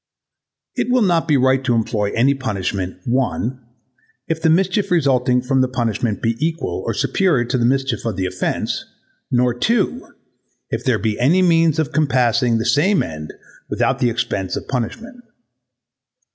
It will not be right to employ any punishment, 1. if the mischief resulting from the punishment be equal or superior to the mischief of the offence, nor 2. if there be any means of compassing the same end without the expense of punishment.